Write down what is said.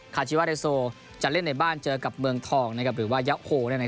คาชิวาเรโซจะเล่นในบ้านเจอกับเมืองทองหรือว่ายะโฮ